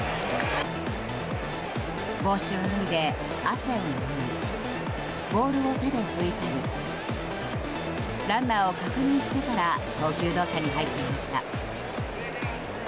帽子を脱いで汗を拭いボールを手で拭いたりランナーを確認してから投球動作に入っていました。